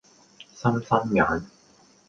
心心眼